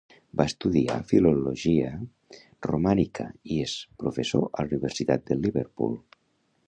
Va estudiar Filologia Romànica i és professor a la Universitat de Liverpool.